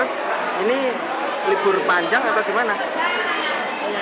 mas ini libur panjang atau gimana